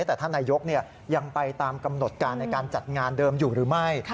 แต่ท่านนายกยังไปตามกำหนดการในการจัดงานเดิมอยู่หรือไม่